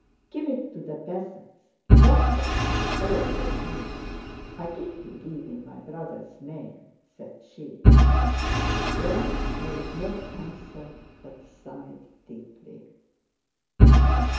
"Give it to the peasants, let them have all they need; I give you leave in my brother's name," said she. Dron made no answer but sighed deeply.